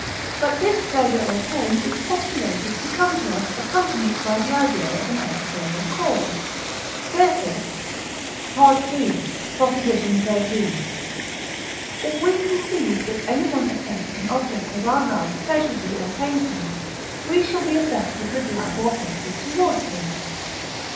But this pleasure or pain is postulated to come to us accompanied by the idea of an external cause; therefore (III. xiii. note), if we conceive that anyone affects an object of our love pleasurably or painfully, we shall be affected with love or hatred towards him.